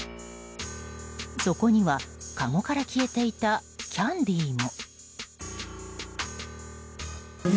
そこには、かごから消えていたキャンディーも。